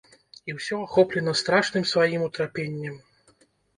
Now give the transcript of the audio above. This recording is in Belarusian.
І ўсё ахоплена страшным сваім утрапеннем.